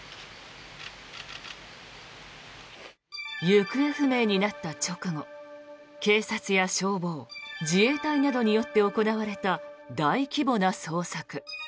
行方不明になった直後警察や消防自衛隊などによって行われた大規模な捜索。